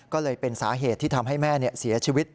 ก็เลยเป็นสาเหตุที่ทำให้แม่เสียชีวิต